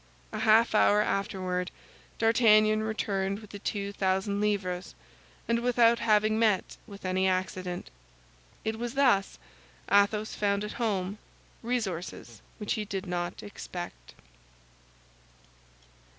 A half hour afterward, D'Artagnan returned with the two thousand livres, and without having met with any accident. It was thus Athos found at home resources which he did not expect.